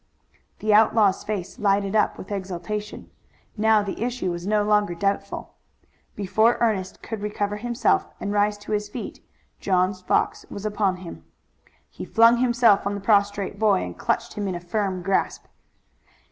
The outlaw's face lighted up with exultation. Now the issue was no longer doubtful. Before Ernest could recover himself and rise to his feet John Fox was upon him. He flung himself on the prostrate boy and clutched him in a firm grasp.